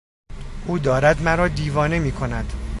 او دارد مرا دیوانه میکند!